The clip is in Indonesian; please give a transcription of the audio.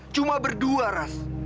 cuma berdua ras